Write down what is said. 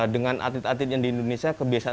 dengan atlet atlet yang di indonesia kebiasaan